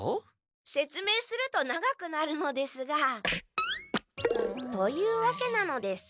せつめいすると長くなるのですが。というわけなのです。